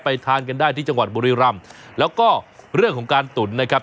ทานกันได้ที่จังหวัดบุรีรำแล้วก็เรื่องของการตุ๋นนะครับ